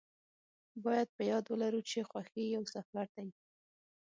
باید په یاد ولرو چې خوښي یو سفر دی.